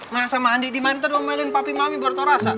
masa mandi dimana tadi omelin papi mami baru tau rasa